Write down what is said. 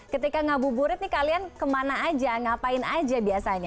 ketika ngabuburit ini kalian kemana saja ngapain saja biasanya